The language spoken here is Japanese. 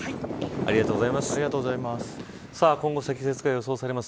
ありがとうございます。